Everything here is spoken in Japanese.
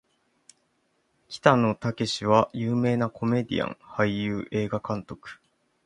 北野武は有名なコメディアン・俳優・映画監督